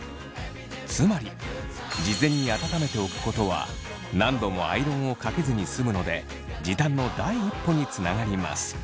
つまり事前に温めておくことは何度もアイロンをかけずに済むので時短の第一歩につながります。